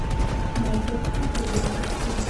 نفرت هم په ژبه کې ښکاري.